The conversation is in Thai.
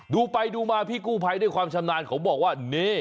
ดูไปดูมาพี่กู้ภัยด้วยความชำนาญเขาบอกว่านี่